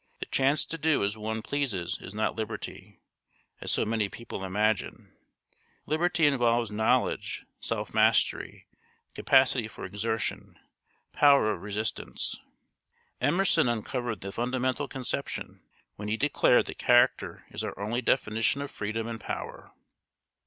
The chance to do as one pleases is not liberty, as so many people imagine; liberty involves knowledge, self mastery, capacity for exertion, power of resistance. Emerson uncovered the fundamental conception when he declared that character is our only definition of freedom and power.